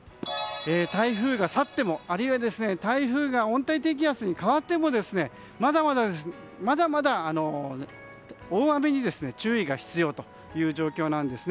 台風が去ってもあるいは台風が温帯低気圧に変わってもまだまだ大雨に注意が必要という状況です。